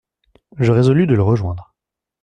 Je résolus de le rejoindre.